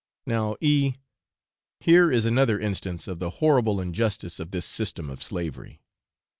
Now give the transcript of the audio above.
Now, E , here is another instance of the horrible injustice of this system of slavery.